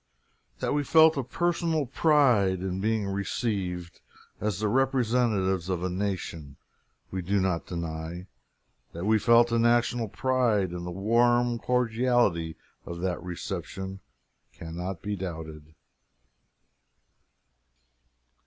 That we felt a personal pride in being received as the representatives of a nation, we do not deny; that we felt a national pride in the warm cordiality of that reception, can not be doubted.